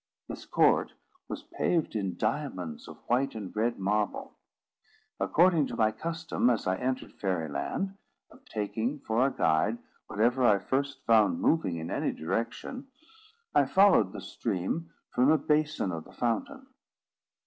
This court was paved in diamonds of white and red marble. According to my custom since I entered Fairy Land, of taking for a guide whatever I first found moving in any direction, I followed the stream from the basin of the fountain.